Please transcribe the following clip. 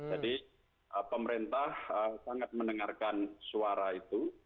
jadi pemerintah sangat mendengarkan suara itu